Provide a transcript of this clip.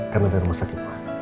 karena terlalu sakit mah